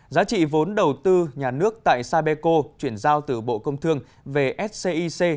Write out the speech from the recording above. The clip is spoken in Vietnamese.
giá trị vốn đầu tư nhà nước tại sapeco chuyển giao từ bộ công thương về scic